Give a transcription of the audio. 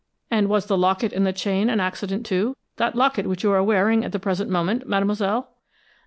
"And was the locket and chain an accident, too? That locket which you are wearing at the present moment, mademoiselle?"